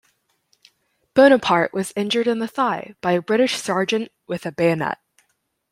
Bonaparte was injured in the thigh by a British sergeant with a bayonet.